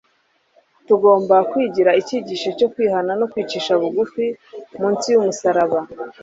tugomba kwigira icyigisho cyo kwihana no kwicisha bugufi munsi y'umusaraba